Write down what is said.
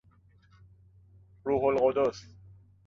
روح القدس